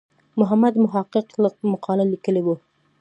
محمد محق مقاله لیکلې وه.